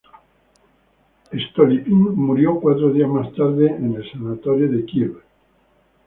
Stolypin murió cuatro días más tarde en el Sanatorio de Kiev.